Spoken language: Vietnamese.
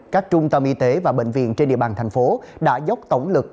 các trung tâm y tế và bệnh viện trên địa bàn thành phố đã dốc tổng lực